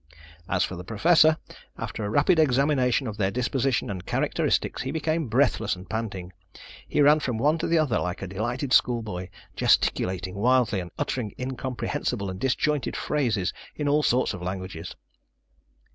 As for the Professor, after a rapid examination of their disposition and characteristics, he became breathless and panting. He ran from one to the other like a delighted schoolboy, gesticulating wildly, and uttering incomprehensible and disjointed phrases in all sorts of languages.